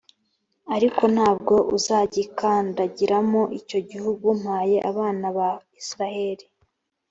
ariko nta bwo uzagikandagiramo, icyo gihugu mpaye abana ba israheli.»